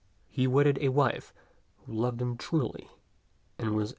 He wedded a wife who loved him truly and was e.